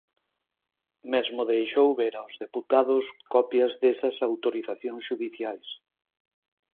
Mesmo deixou ver aos deputados copias desas autorizacións xudiciais.